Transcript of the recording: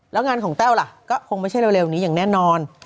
แล้วงานของแต้วล่ะก็คงไม่ใช่เร็วนี้อย่างแน่นอน